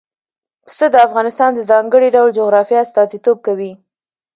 پسه د افغانستان د ځانګړي ډول جغرافیه استازیتوب کوي.